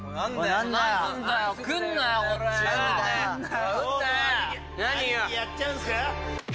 兄貴、やっちゃうんですか？